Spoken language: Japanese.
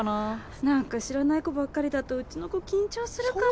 なんか知らない子ばっかりだとうちの子緊張するかも。